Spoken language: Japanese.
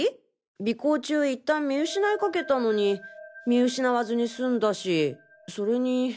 尾行中いったん見失いかけたのに見失わずに済んだしそれに。